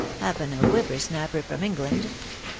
Happen a whipper snapper from England.